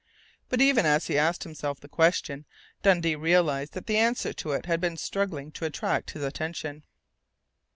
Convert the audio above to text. But even as he asked himself the question Dundee realized that the answer to it had been struggling to attract his attention.